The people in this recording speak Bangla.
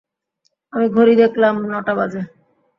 আমি ঘড়ি দেখলাম, নটা বাজে।